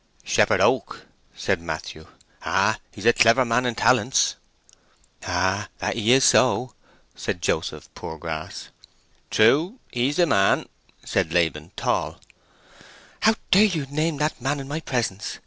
"Shepherd Oak," said Matthew. "Ah, he's a clever man in talents!" "Ah, that he is so!" said Joseph Poorgrass. "True—he's the man," said Laban Tall. "How dare you name that man in my presence!"